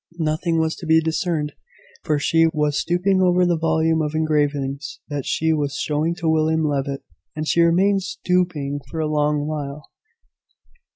Nothing was to be discerned, for she was stooping over the volume of engravings that she was showing to William Levitt; and she remained stooping for a long while.